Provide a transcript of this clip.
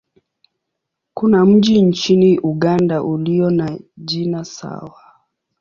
Kuna mji nchini Uganda ulio na jina sawa.